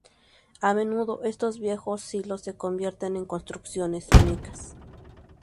A menudo, estos viejos silos se convierten en construcciones únicas.